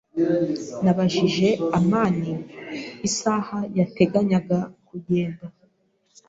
Nabajije amani isaha yateganyaga kugenda.